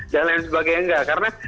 dan lain sebagainya nggak karena